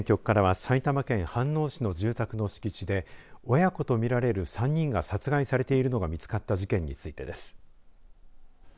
首都圏局からは埼玉県飯能市の住宅の敷地で親子と見られる３人が殺害されているのが見付かった事件についてです。